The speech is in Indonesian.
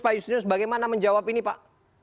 pak justinus bagaimana menjawab ini pak